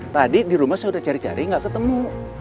tadi di rumah saya sudah cari cari nggak ketemu